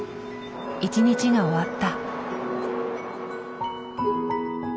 一日が終わった。